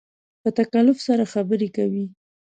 په تکلف سره خبرې کوې